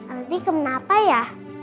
aldi kemana apa ya